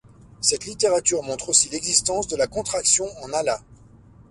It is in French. Cette littérature montre aussi l’existence de la contraction en Allah.